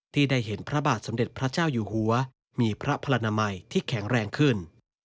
ได้เห็นพระบาทสมเด็จพระเจ้าอยู่หัวมีพระพลนามัยที่แข็งแรงขึ้น